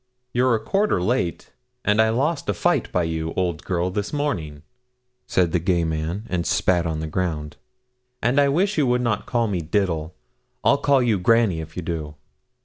'You're a quarter late, and I lost a fight by you, old girl, this morning,' said the gay man, and spat on the ground; 'and I wish you would not call me Diddle. I'll call you Granny if you do.'